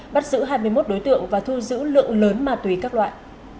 bắt giữ hai mươi một đối tượng và thu giữ lượng lớn mà tùy các loại